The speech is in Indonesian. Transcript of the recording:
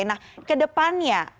nah ke depannya